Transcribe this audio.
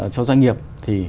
cho doanh nghiệp thì